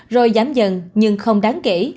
rồi giám dần nhưng không đáng kể